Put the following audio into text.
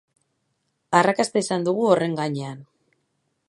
Arrakasta izan dugu horren gainean.